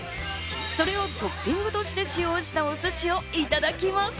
それをトッピングとして使用したお寿司をいただきます。